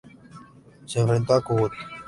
Se enfrentó a "¡Cu-cut!